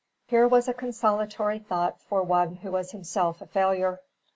Here was a consolatory thought for one who was himself a failure.